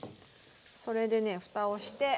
それでねふたをして。